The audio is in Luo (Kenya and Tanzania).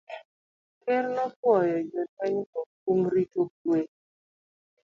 Ker ne opwoyo jolwenygo kuom rito kuwe